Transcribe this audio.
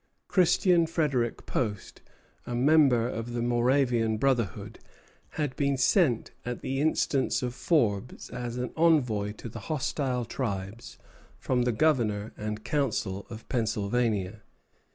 Christian Frederic Post, a member of the Moravian brotherhood, had been sent at the instance of Forbes as an envoy to the hostile tribes from the Governor and Council of Pennsylvania.